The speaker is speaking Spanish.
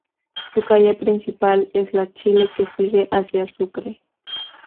Su calle principal es la Chile que sigue hacia Sucre.